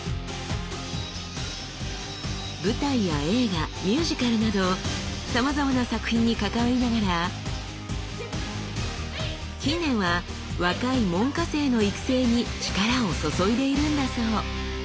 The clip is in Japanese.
舞台や映画ミュージカルなどさまざまな作品に関わりながら近年は若い門下生の育成に力を注いでいるんだそう。